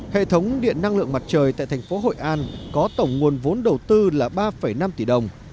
hệ thống điện năng lượng mặt trời tại thành phố hội an có tổng nguồn vốn đầu tư là ba năm tỷ đồng